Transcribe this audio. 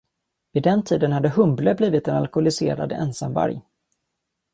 Vid den tiden hade Humble blivit en alkoholiserad ensamvarg.